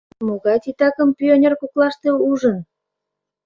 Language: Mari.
«Могай титакым пионер коклаште ужын?